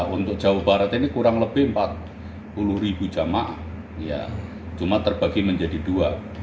untuk jawa barat ini kurang lebih empat puluh ribu jamaah cuma terbagi menjadi dua